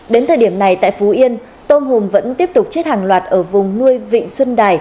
đến thời điểm này tại phú yên tôm hùm vẫn tiếp tục chết hàng loạt ở vùng nuôi vịnh xuân đài